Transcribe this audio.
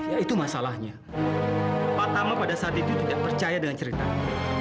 ya itu masalahnya pak tama pada saat itu tidak percaya dengan ceritanya